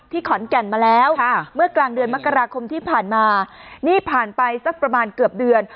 ขอนแก่นมาแล้วเมื่อกลางเดือนมกราคมที่ผ่านมานี่ผ่านไปสักประมาณเกือบเดือน